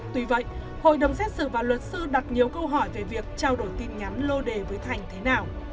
tuy vậy hội đồng xét xử và luật sư đặt nhiều câu hỏi về việc trao đổi tin nhắn lô đề với thành thế nào